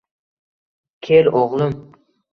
Kel, oʻgʻlim.